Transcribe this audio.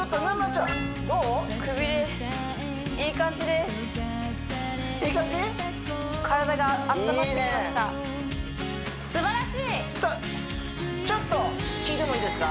すばらしいちょっと聞いてもいいですか？